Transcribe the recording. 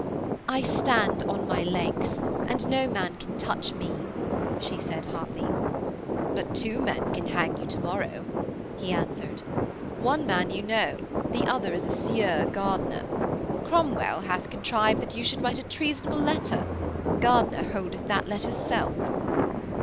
'I stand on my legs, and no man can touch me,' she said hotly. 'But two men can hang you to morrow,' he answered. 'One man you know; the other is the Sieur Gardiner. Cromwell hath contrived that you should write a treasonable letter; Gardiner holdeth that letter's self.'